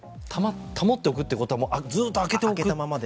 保っておくということはずっと開けておいたままで。